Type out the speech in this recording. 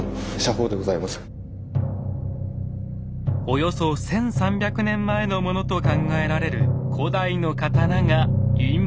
およそ１，３００年前のものと考えられる古代の刀が今。